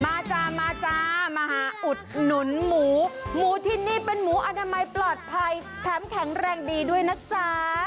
จ้ามาจ้ามาหาอุดหนุนหมูหมูที่นี่เป็นหมูอนามัยปลอดภัยแถมแข็งแรงดีด้วยนะจ๊ะ